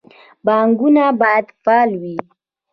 بانکونه باید فعال وي